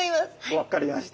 分かりました。